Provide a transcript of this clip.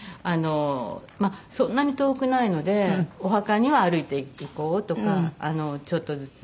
そんなに遠くないのでお墓には歩いて行こうとかちょっとずつ。